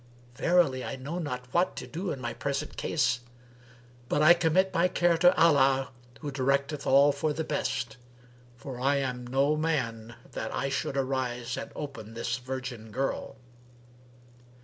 Verily, I know not what to do in my present case, but I commit my care to Allah who directeth all for the best, for I am no man that I should arise and open this virgin girl."